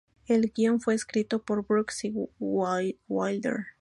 El guion fue escrito por Brooks y Wilder.